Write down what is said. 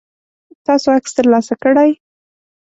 تاسو عکس ترلاسه کړئ؟